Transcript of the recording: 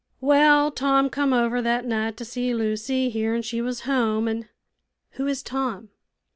"Well, Tom come over thet night to see Lucy, hearin' she was home, an' " "Who is Tom?"